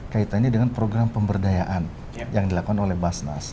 kaitannya dengan program pemberdayaan yang dilakukan oleh basnas